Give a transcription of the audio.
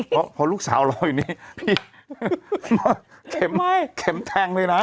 เพราะลูกสาวรออยู่นี่พี่เข็มแทงเลยนะ